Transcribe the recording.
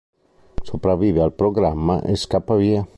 Sopravvive al Programma e scappa via.